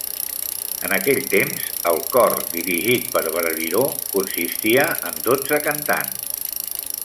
En aquell temps, el cor dirigit per Barbireau consistia en dotze cantants.